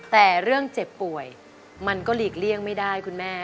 แต่เรื่องเจ็บป่วยมันก็หลีกเลี่ยงไม่ได้คุณแม่